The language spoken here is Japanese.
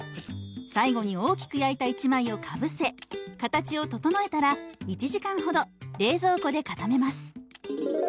最後に大きく焼いた１枚をかぶせ形を整えたら１時間ほど冷蔵庫で固めます。